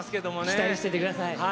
期待しててください。